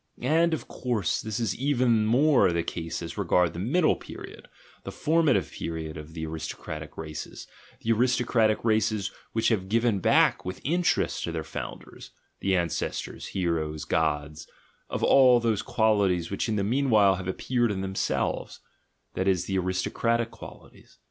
And, of course, this is even more the case as regards the middle period, the formative period of the aristocratic races — the aristocratic races which have given back with interest to their founders, the ancestors (heroes, gods), all those qualities which in the meanwhile have appeared in them selves, that is, the aristocratic qualities.